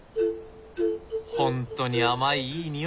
ほんとに甘いいい匂い。